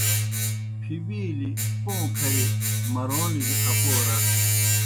پھبِیلیْ پوں کھریْ مرونِجیْ اکو رڇھہ۔